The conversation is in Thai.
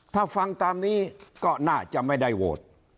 ถ้าฟังตามนี้ก็น่าจะไม่ได้โหวต